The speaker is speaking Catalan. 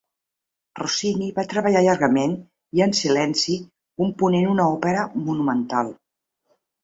Rossini va treballar llargament i en silenci component una òpera monumental.